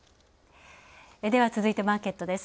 続いてマーケットです。